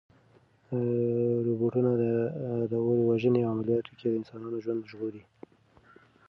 روبوټونه د اور وژنې په عملیاتو کې د انسانانو ژوند ژغوري.